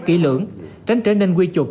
kỹ lưỡng tránh trở nên quy trục